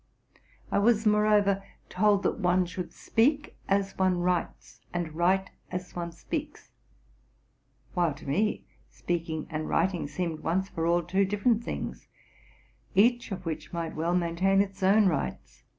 I was, moreover, told that one should speak as one writes, and write as one speaks ; while to me, speaking and writing seemed once for all two different things, each of which might well maintain its own rights.